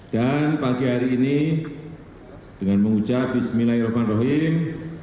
dan pagi hari ini dengan mengucap bismillahirrahmanirrahim